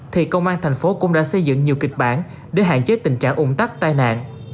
thì công an thành phố cũng đã xây dựng nhiều kịch bản để hạn chế tình trạng ủng tắc tai nạn